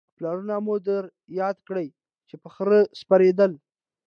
پلرونه مو در یاد کړئ چې په خره سپرېدل